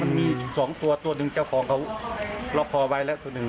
มันมีสองตัวตัวหนึ่งเจ้าของเรียกพอไว้แล้ว